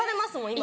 今。